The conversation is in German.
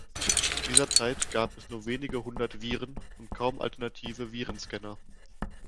Zu dieser Zeit gab es nur wenige hundert Viren und kaum alternative Virenscanner.